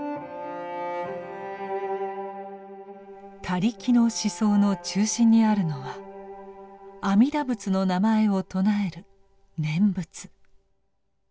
他力の思想の中心にあるのは阿弥陀仏の名前を称える「念仏」。